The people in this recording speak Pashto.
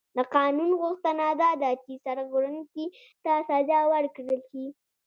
د قانون غوښتنه دا ده چې سرغړونکي ته سزا ورکړل شي.